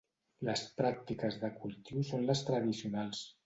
Les pràctiques de cultiu són les tradicionals.